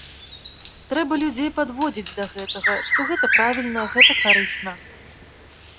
Трэба людзей падводзіць да гэтага, што гэта правільна, гэта карысна.